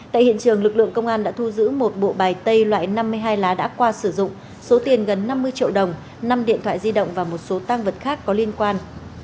tại hiện trường lực lượng công an đã thu giữ một bộ bài tay loại năm mươi hai lá đã qua sử dụng số tiền gần năm mươi triệu đồng năm điện thoại di động và một số tăng vật khác có liên quan